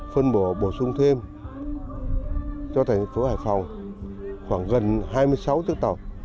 phân bổ bổ sung thêm cho thành phố hải phòng khoảng gần hai mươi sáu chiếc tàu